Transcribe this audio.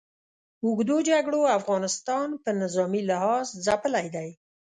اوږدو جګړو افغانستان په نظامي لحاظ ځپلی دی.